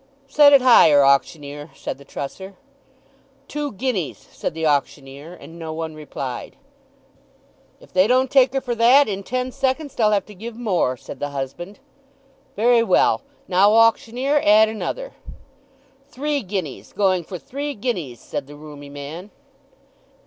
"Set it higher, auctioneer," said the trusser. "Two guineas!" said the auctioneer; and no one replied. "If they don't take her for that, in ten seconds they'll have to give more," said the husband. "Very well. Now auctioneer, add another." "Three guineas—going for three guineas!" said the rheumy man.